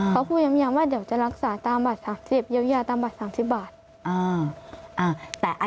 เขาพูดย้ำว่าเดี๋ยวจะรักษาตามบัตร๓๐เยียวยาตามบัตร๓๐บาท